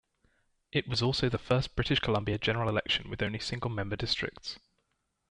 It was also the first British Columbia general election with only single-member districts.